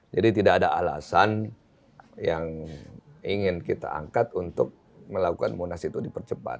jadi tidak ada alasan yang ingin kita angkat untuk melakukan munas itu dipercepat